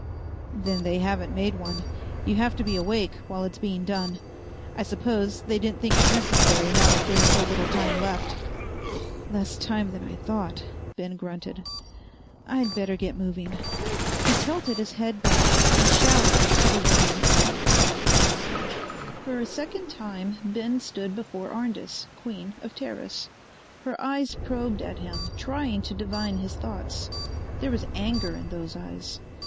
"Then they haven't made one. You have to be awake while it's being done. I suppose they didn't think it necessary now that there's so little time left." "Less time than I thought," Ben grunted. "I'd better get moving." He tilted his head back and shouted to the woman above. For a second time Ben stood before Arndis, queen of Teris. Her eyes probed at him, trying to divine his thoughts. There was anger in those eyes.